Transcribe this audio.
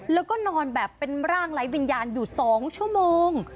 แล้วก็นอนแบบเป็นร่างไร้วิญญาณอยู่๒ชั่วโมง